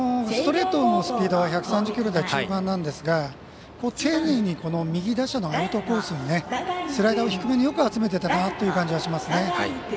ストレートのスピードは１３０キロ台中盤なんですが丁寧に右打者のアウトコースにスライダーを低めによく集めてたかなっていう感じがしますね。